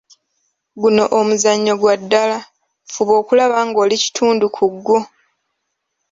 Guno omuzannyo gwa ddala, fuba okulaba nga oli kitundu ku gwo.